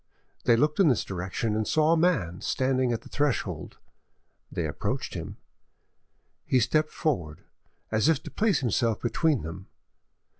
They looked in this direction, and saw a man standing at the threshold; they approached him. He stepped forward, as if to place himself between them.